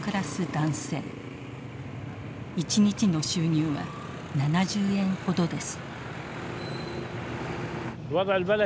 一日の収入は７０円ほどです。